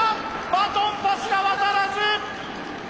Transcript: バトンパスが渡らず！